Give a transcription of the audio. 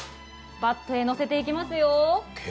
バットへのせていきますよ。